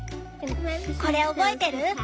これ覚えてる？